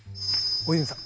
大泉さん